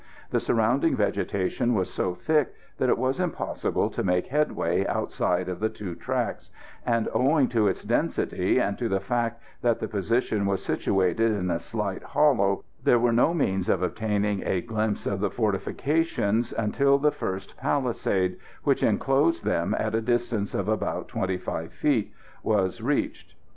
The surrounding vegetation was so thick that it was impossible to make headway outside of the two tracks; and owing to its density, and to the fact that the position was situated in a slight hollow, there were no means of obtaining a glimpse of the fortifications until the first palisade, which enclosed them at a distance of about 25 feet, was reached.